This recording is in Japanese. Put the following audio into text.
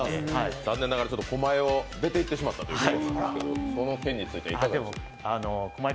残念ながら狛江を出ていってしまったということですけれども、その件についてはいかがでしょうか。